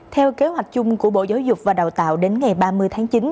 theo kế hoạch chung của bộ giáo dục và đào tạo đến ngày ba mươi tháng chín